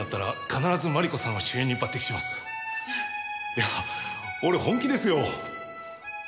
いや俺本気ですよ！